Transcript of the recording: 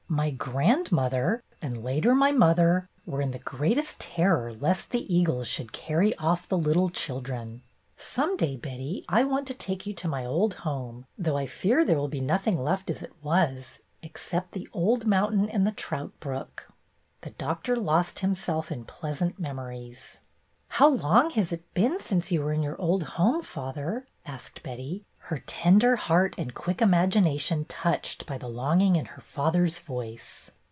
"My grandmother, and later my mother, were in the greatest terror lest the eagles should carry off the little children. Some day, Betty, I want to take you to my old home, though I fear there will be nothing left as it was except the old mountain and the trout brook." The Doctor lost himself in pleasant mem ories. "How long has it been since you were in your old home, father?" asked Betty, her tender heart and quick imagination touched by the longing in her father's voice.